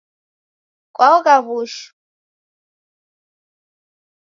Kwaogha w'ushu?